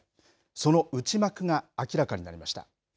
その内幕が明らかになりました。